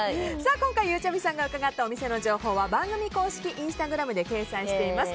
今回、ゆうちゃみがうかがったお店の情報は番組公式インスタグラムに掲載しています。